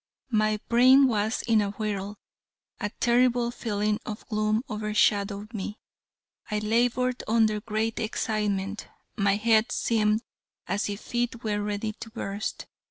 My brain was in a whirl. A terrible feeling of gloom over shadowed me. I labored under great excitement. My head seemed as if it were ready to burst.